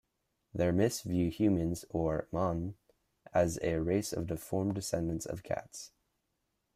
Their myths view humans, or "M'an", as a race of deformed descendants of cats.